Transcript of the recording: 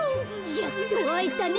やっとあえたね。